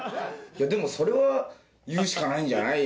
「でもそれは言うしかないんじゃない？